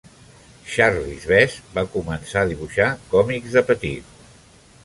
Charlies Vess va començar a dibuixar còmics de petit.